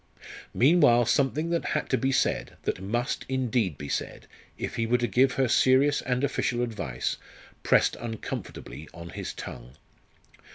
Meanwhile something that had to be said, that must, indeed, be said, if he were to give her serious and official advice, pressed uncomfortably on his tongue.